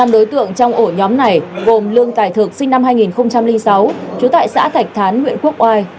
năm đối tượng trong ổ nhóm này gồm lương tài thược sinh năm hai nghìn sáu chú tại xã thạch thán nguyễn quốc oai